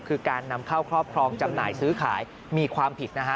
คือการนำเข้าครอบครองจำหน่ายซื้อขายมีความผิดนะฮะ